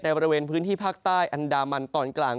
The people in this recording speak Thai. บริเวณพื้นที่ภาคใต้อันดามันตอนกลาง